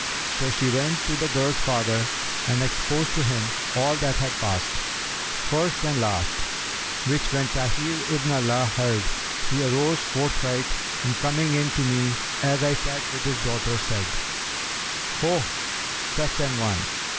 So she went to the girl's father and exposed to him all that had passed, first and last, which when Tahir ibn Alaa heard he arose forthright and coming in to me, as I sat with his daughter, said, 'Ho, such an one!'